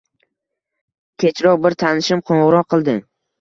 Kechroq bir tanishim qoʻngʻiroq qildi